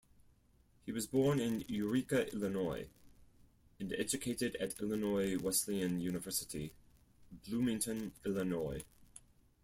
He was born in Eureka, Illinois, and educated at Illinois Wesleyan University, Bloomington, Illinois.